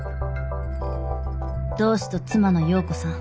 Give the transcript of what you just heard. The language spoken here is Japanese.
同氏と妻の葉子さん